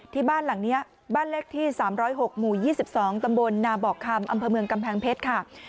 ที่บ้านหลังนี้บ้านเลขที่๓๐๖หมู่๒๒ตำบลนาบอกคำอำเภอเมืองกำแพงเพชรค่ะ